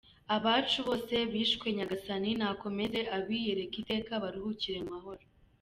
Abacu bose bishwe Nyagasani nakomeze abiyereke iteka baruhukire mu mahoro.